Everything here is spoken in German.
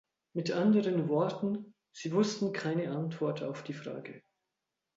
Mit anderen Worten, sie wussten keine Antwort auf die Frage.